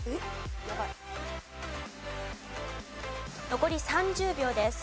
残り３０秒です。